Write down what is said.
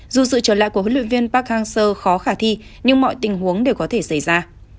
dù sự trở lại của huấn luyện viên park hang seo khó khả thi nhưng mọi tình huống đều có thể xảy ra